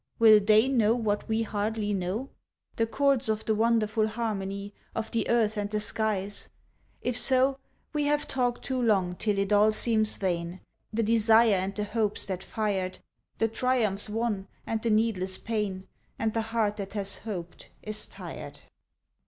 Will they know what we hardly know? The chords of the wonderful harmony Of the earth and the skies? if so We have talked too long till it all seems vain, The desire and the hopes that fired, The triumphs won and the needless pain, And the heart that has hoped is tired.